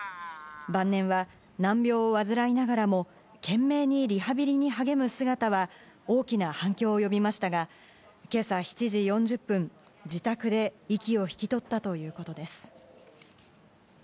晩年は難病を患いながらも、懸命にリハビリに励む姿は大きな反響を呼びましたが、今朝７時４０分、自宅で息を引き取ったということです。